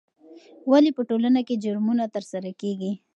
ولې په ټولنه کې جرمونه ترسره کیږي؟